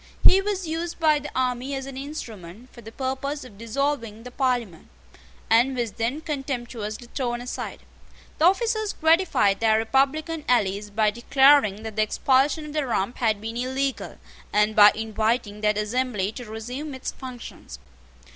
He was used by the army as an instrument for the purpose of dissolving the Parliament, and was then contemptuously thrown aside. The officers gratified their republican allies by declaring that the expulsion of the Rump had been illegal, and by inviting that assembly to resume its functions.